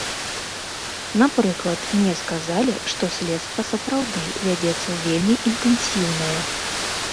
Напрыклад, мне сказалі, што следства, сапраўды, вядзецца вельмі інтэнсіўнае.